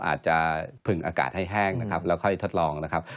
อาจจะผึ่งอากาศให้แห้งนะครับแล้วค่อยทดลองนะครับ